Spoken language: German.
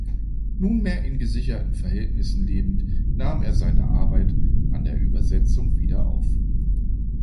Nunmehr in gesicherten Verhältnissen lebend nahm er seine Arbeit an der Übersetzung wieder auf.